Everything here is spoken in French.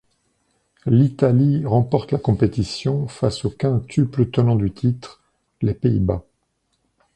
L'Italie remporte la compétition face au quintuple tenant du titre, les Pays-Bas.